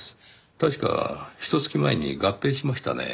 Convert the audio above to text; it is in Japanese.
確かひと月前に合併しましたね。